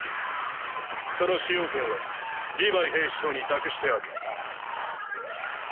その使用権はリヴァイ兵士長に託してある。